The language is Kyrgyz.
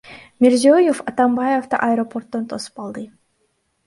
Мирзиёев Атамбаевди аэропорттон тосуп алды.